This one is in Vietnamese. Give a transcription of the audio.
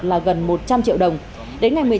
là gần một trăm linh triệu đồng đến ngày